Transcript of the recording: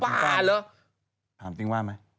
ถ่ายอย่างนั้นว่ามั้ย